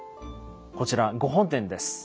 こちら御本殿です。